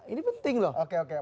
ini penting loh